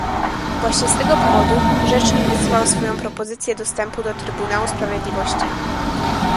Właśnie z tego powodu Rzecznik wycofał swoją propozycję dostępu do Trybunału Sprawiedliwości